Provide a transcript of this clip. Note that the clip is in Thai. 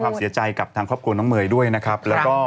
ความเสียใจกับทางครอบครัวน้องเมื่อยด้วยนะครับ